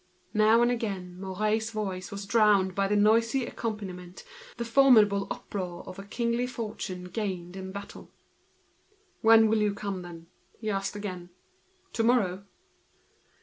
Now and again, Mouret's voice was drowned by the noise which accompanied him, with the formidable uproar of a kingly fortune gained in battle. "When will you come, then?" asked he again. "Tomorrow?"